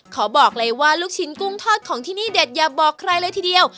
ขอบอกเลยว่าลูกชิ้นกุ้งทอดของที่นี่เด็ดอย่าบอกใครเลยทีเดียว